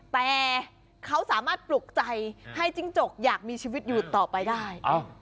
แต่เขาสามารถปลุกใจให้จิ้งจกอยากมีชีวิตอยู่ต่อไปได้